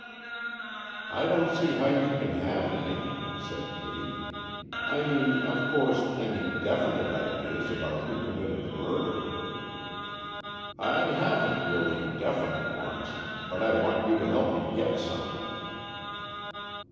"I don't see how you can have any," said Kitty; "I mean, of course, any definite ideas about who committed the murder." "I haven't really definite ones, but I want you to help me get some."